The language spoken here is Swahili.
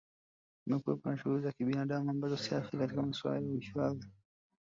Kumekuwapo na shughuli za kinabadamu ambazo si rafiki katika masuala ya uhifadhi